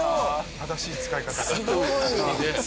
正しい使い方。